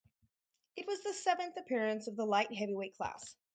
It was the seventh appearance of the light heavyweight class.